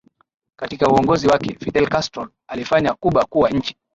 Katika uongozi wake Fidel Castrol aliifanya Cuba kuwa nchi